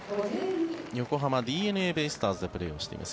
横浜ＤｅＮＡベイスターズでプレーしています